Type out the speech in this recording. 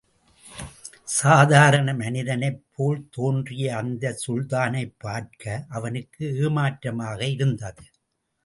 சாதாரண மனிதனைப் போல் தோன்றிய அந்தச் சுல்தானைப் பார்க்க அவனுக்கு ஏமாற்றமாக இருந்தது.